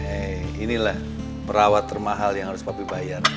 inilah perawat termahal yang harus papi bayar